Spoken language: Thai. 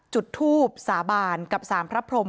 จุดทูบสาบานกับสารพระพรม